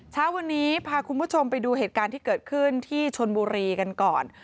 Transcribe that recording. เช้าวันนี้พาคุณผู้ชมไปดูเหตุการณ์ที่เกิดขึ้นที่ชนบุรีกันก่อน